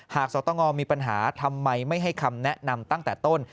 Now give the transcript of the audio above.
สตงมีปัญหาทำไมไม่ให้คำแนะนำตั้งแต่ต้น